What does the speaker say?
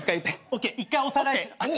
ＯＫ１回おさらい。ＯＫ？